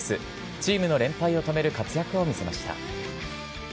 チームの連敗を止める活躍を見せました。